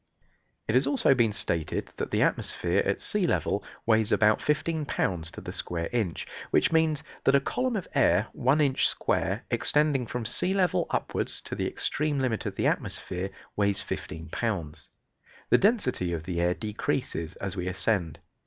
It has also been stated that the atmosphere at sea level weighs about fifteen pounds to the square inch, which means that a column of air one inch square extending from sea level upward to the extreme limit of the atmosphere weighs fifteen pounds. The density of the air decreases as we ascend.